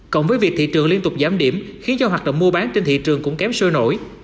cộng với việc thị trường liên tục giảm điểm khiến cho hoạt động mua bán trên thị trường cũng kém sôi nổi